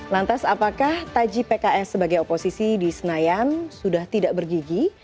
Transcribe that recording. lantas apakah taji pks sebagai oposisi di senayan sudah tidak bergigi